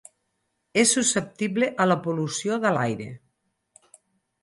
És susceptible a la pol·lució de l'aire.